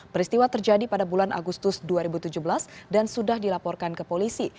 peristiwa terjadi pada bulan agustus dua ribu tujuh belas dan sudah dilaporkan ke polisi